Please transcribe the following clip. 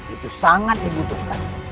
itu sangat dibutuhkan